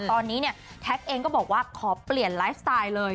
ตอนนี้เนี่ยแท็กเองก็บอกว่าขอเปลี่ยนไลฟ์สไตล์เลย